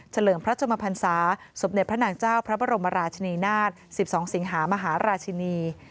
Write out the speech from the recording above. เฉลืองพระหมาพันษาสมเด็จพระหลังเจ้าพระบรมราชินินาตสิบสองสิงหามหาราชินี